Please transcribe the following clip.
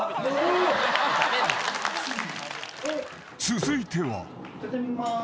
［続いては］